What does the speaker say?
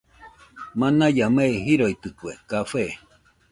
Manaɨa mei jiroitɨkue café